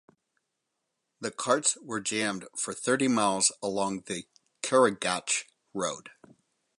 The carts were jammed for thirty miles along the Karagatch road.